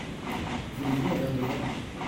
Voulez-vous un verre de vin ?